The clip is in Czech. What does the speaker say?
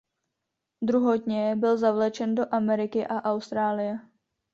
Druhotně byl zavlečen do Ameriky a Austrálie.